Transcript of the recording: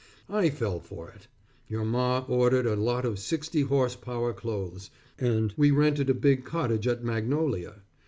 I fell for it. Your Ma ordered a lot of sixty horse power clothes, and we rented a big cottage at Magnolia.